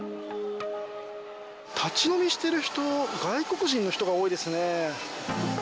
立ち飲みしてる人、外国人の人が多いですね。